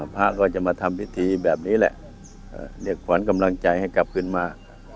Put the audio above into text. พระก็จะมาทำพิธีแบบนี้แหละเรียกขวัญกำลังใจให้กลับขึ้นมา